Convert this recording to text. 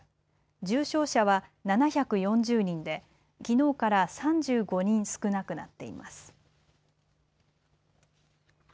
重症者は７４０人できのうから３５人少なくなっています。